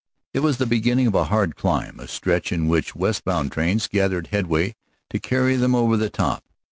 It was the beginning of a hard climb, a stretch in which west bound trains gathered headway to carry them over the top.